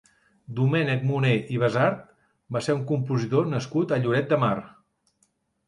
Domènec Moner i Basart va ser un compositor nascut a Lloret de Mar.